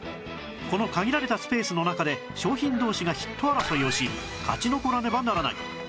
この限られたスペースの中で商品同士がヒット争いをし勝ち残らねばならない